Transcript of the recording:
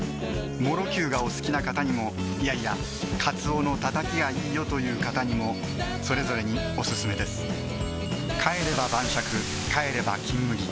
もろきゅうがお好きな方にもいやいやカツオのたたきがいいよという方にもそれぞれにオススメです帰れば晩酌帰れば「金麦」